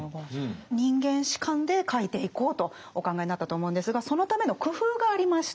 人間史観で書いていこうとお考えになったと思うんですがそのための工夫がありました。